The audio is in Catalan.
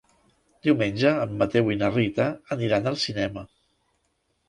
Diumenge en Mateu i na Rita aniran al cinema.